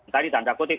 tadi tanda kutip